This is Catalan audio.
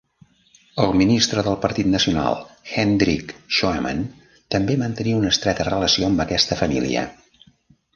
El ministre del Partit Nacional, Hendrik Shoeman, també mantenia una estreta relació amb aquesta família.